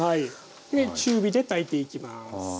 中火で炊いていきます。